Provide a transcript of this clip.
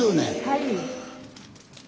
はい。